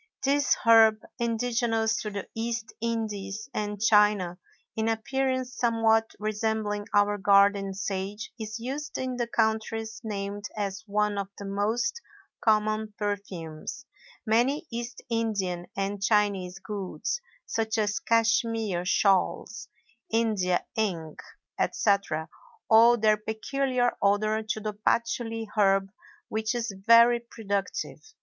This herb, indigenous to the East Indies and China, in appearance somewhat resembling our garden sage, is used in the countries named as one of the most common perfumes; many East Indian and Chinese goods (such as Cashmere shawls, India ink, etc.) owe their peculiar odor to the patchouly herb which is very productive.